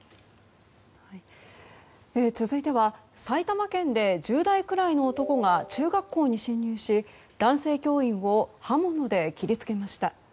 続いては埼玉県で１０代くらいの男が中学校に侵入し、男性教諭を刃物で切り付けました。